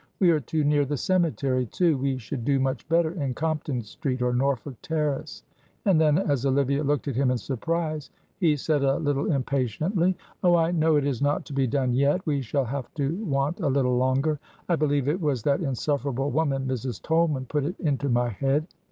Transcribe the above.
We are too near the cemetery, too. We should do much better in Compton Street or Norfolk Terrace." And then, as Olivia looked at him in surprise, he said a little impatiently: "Oh, I know it is not to be done yet. We shall have to want a little longer. I believe it was that insufferable woman, Mrs. Tolman, put it into my head.